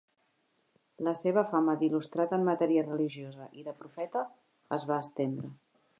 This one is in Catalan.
La seva fama d'il·lustrat en matèria religiosa i de profeta es va estendre.